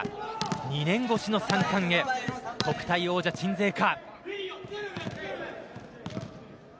２年越しの３冠へ国体王者鎮西か。